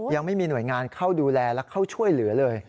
ยังไม่มีหน่วยงานเข้าดูแลและเข้าช่วยเหลือเลย